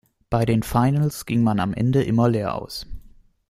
Bei den Finals ging man am Ende immer leer aus.